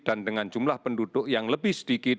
dan dengan jumlah penduduk yang lebih sedikit